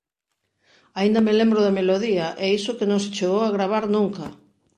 Aínda me lembro da melodía e iso que non se chegou a gravar nunca.